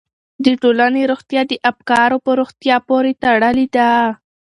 د ټولنې روغتیا د افکارو په روغتیا پورې تړلې ده.